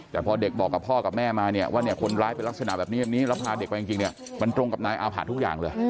แต่พอเด็กบอกกับพ่อกับแม่มาเนี่ยว่าเนี่ยคนร้ายเป็นลักษณะแบบนี้แบบนี้แล้วพาเด็กไปจริงเนี่ยมันตรงกับนายอาผะทุกอย่างเลย